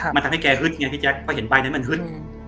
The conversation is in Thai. มันทำให้แกฮึดไงพี่แจ๊คเพราะเห็นใบนั้นมันฮึด